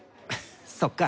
そっか。